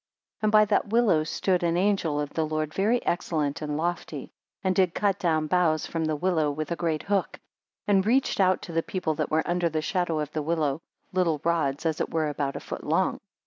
2 And by that willow stood an. angel of the Lord very excellent and lofty, and did cut down bows from the willow with a great hook; and reached out to the people that were under the shadow of the willow, little rods, as it were about a foot long.